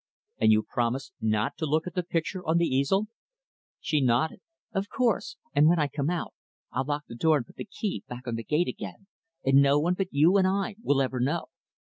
"And you promise not to look at the picture on the easel?" She nodded, "Of course. And when I come out I'll lock the door and put the key back on the gate again; and no one but you and I will ever know."